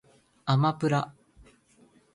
あまぷら